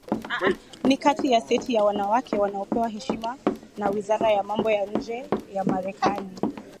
ni kati ya seti za wanawake wanaopewa heshima na Wizara ya Mambo ya Nje ya Marekani